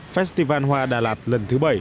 festival hoa đà lạt lần thứ bảy